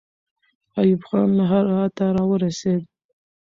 ایوب خان له هراته راورسېد.